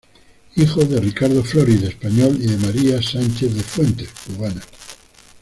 Hijo de Ricardo Florit, español, y de María Sánchez de Fuentes, cubana.